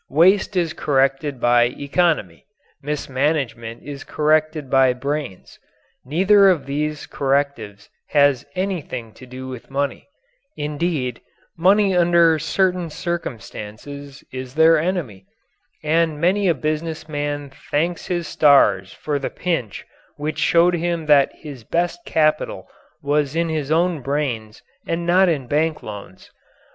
Waste is corrected by economy; mismanagement is corrected by brains. Neither of these correctives has anything to do with money. Indeed, money under certain circumstances is their enemy. And many a business man thanks his stars for the pinch which showed him that his best capital was in his own brains and not in bank loans.